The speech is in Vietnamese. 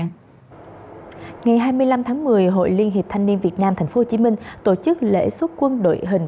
ngày hai mươi năm tháng một mươi hội liên hiệp thanh niên việt nam tp hcm tổ chức lễ xuất quân đội hình